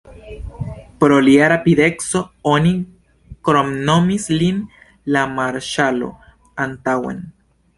Pro lia rapideco oni kromnomis lin "La marŝalo antaŭen".